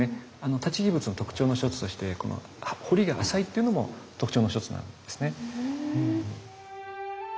立木仏の特徴の一つとしてこの彫りが浅いっていうのも特徴の一つなんですね。